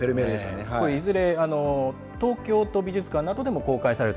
いずれ東京都美術館などでも公開される。